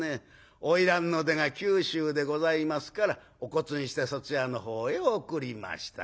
『花魁の出が九州でございますからお骨にしてそちらの方へ送りました』